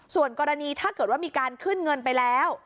ส่วนกรณีถ้าเกิดว่ามีการขึ้นเงินไปแล้ว